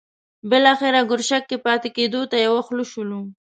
بالاخره ګرشک کې پاتې کېدو ته یو خوله شولو.